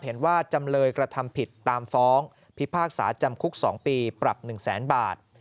เห็นว่าจำเลยกระทำผิดตามฟ้องพิพากษาจำคุก๒ปีปรับ๑แสนบาท